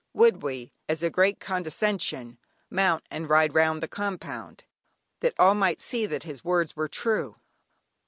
Would we, as a great condescension, mount and ride round the compound, that all might see that his words were true.